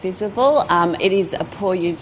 ini pengalaman pengguna yang buruk